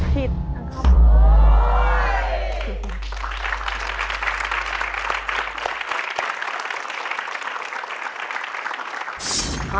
ผิดนะครับโอ้โฮโอ้โฮ